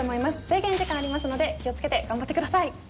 制限時間ありますので気を付けて頑張ってください。